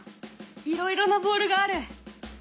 いろいろなボールがある！